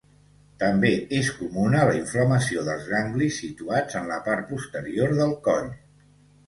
També és comuna la inflamació dels ganglis situats en la part posterior del coll.